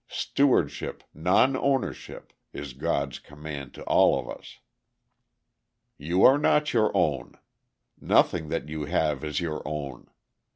Stewardship, non ownership, is God's command to all of us. "You are not your own. Nothing that you have is your own.